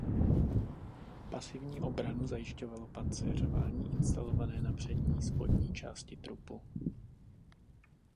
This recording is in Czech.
Pasivní obranu zajišťovalo pancéřování instalované na přední spodní části trupu.